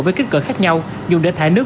với kích cỡ khác nhau dùng để thải nước